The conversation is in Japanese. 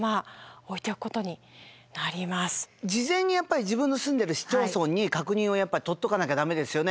事前にやっぱり自分の住んでいる市町村に確認を取っとかなきゃ駄目ですよね。